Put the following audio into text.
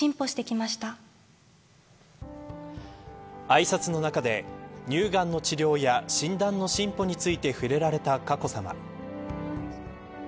あいさつの中で乳がんの治療や診断の進歩について触れられた佳子さま。